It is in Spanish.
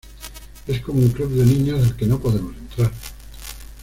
Es como un club de niños al que no podemos entrar".